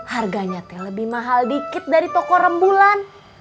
harganya lebih mahal dikit dari toko rembulan